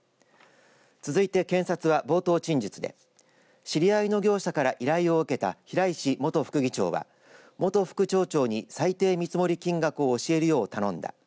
続いて検察は冒頭陳述で知り合いの業者から依頼を受けた平石元副議長は元副町長に最低見積もり金額を教えるよう頼んだ。